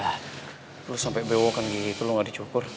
ah lu sampe bewokan gitu lu gak dicukur